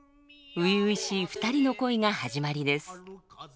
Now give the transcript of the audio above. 初々しい２人の恋が始まりです。